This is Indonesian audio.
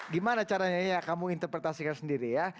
gimana caranya ya kamu interpretasikan sendiri ya